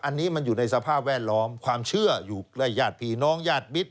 อันนี้มันอยู่ในสภาพแวดล้อมความเชื่ออยู่และญาติพี่น้องญาติมิตร